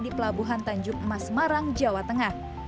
di pelabuhan tanjung emas semarang jawa tengah